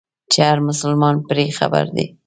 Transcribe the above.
چې هر مسلمان پرې خبر دی.